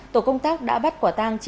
tổ công tác đã bắt quả tàng